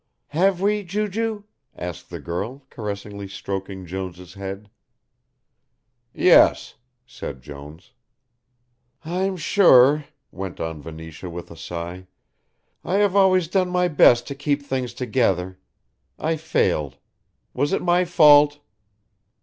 "Have we, Ju ju?" asked the girl, caressingly stroking Jones' head. "Yes," said Jones. "I'm sure," went on Venetia with a sigh, "I have always done my best to keep things together. I failed. Was it my fault?"